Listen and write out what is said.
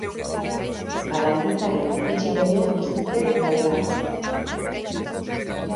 Barandikaren etxe berean bizi zen Laibarra.